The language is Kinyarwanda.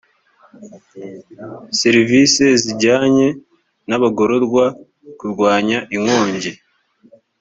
serivisi zijyanye n abagororwa kurwanya inkongi